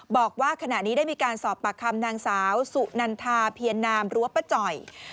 บอกว่าขณะนี้ได้มีการสอบปากคำนางสาวสุนันทาเพียรนามหรือว่าป้าจ่อย